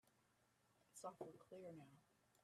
It's awfully clear now.